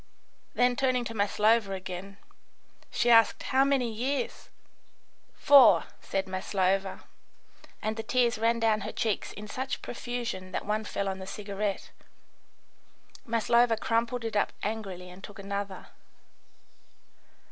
Then, turning to Maslova again, she asked: "How many years?" "Four," said Maslova, and the tears ran down her cheeks in such profusion that one fell on the cigarette. Maslova crumpled it up angrily and took another.